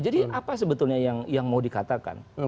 jadi apa sebetulnya yang mau dikatakan